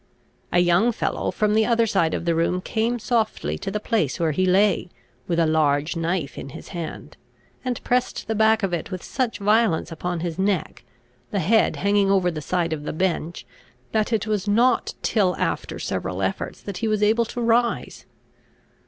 A young fellow from the other side of the room came softly to the place where he lay, with a large knife in his hand: and pressed the back of it with such violence upon his neck, the head hanging over the side of the bench, that it was not till after several efforts that he was able to rise.